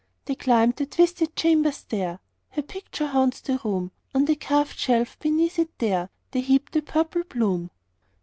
They climb the twisted chamber stair; Her picture haunts the room; On the carved shelf beneath it there, They heap the purple bloom.